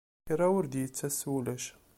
Kra ur d-yettas s wulac.